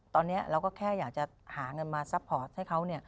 ตอนนี้เราก็แค่อยากจะหาเงินมาซัพพอร์ตให้เขา